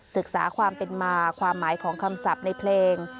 ศึกษาความเป็นมาความหมายของคำศัพท์ในเพลง